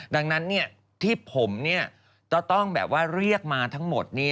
ดังนั้นที่ผมต้องเรียกมาทั้งหมด